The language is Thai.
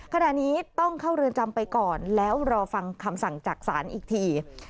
ขณะนี้ต้องเข้าเรือนจำไปก่อนแล้วรอฟังคำสั่งจากศาลอีกที